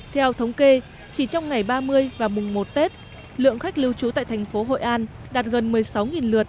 theo thống kê chỉ trong ngày ba mươi và mùng một tết lượng khách lưu trú tại thành phố hội an đạt gần một mươi sáu lượt